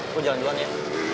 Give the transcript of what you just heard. gue jalan jalan ya